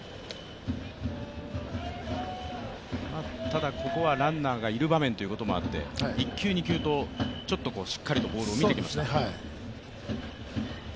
ただここはランナーがいる場面ということもあって、１球２球とちょっとしっかりとボールを見てきました。